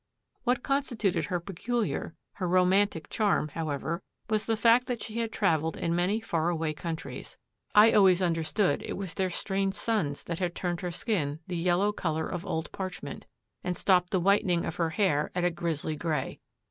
What constituted her peculiar, her romantic charm, however, was the fact that she had traveled in many far away countries. I always understood it was their strange suns that had turned her skin the yellow color of old parchment, and stopped the whitening of her hair at a grizzly gray.